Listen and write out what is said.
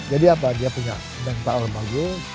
jadi apa dia punya mental bagus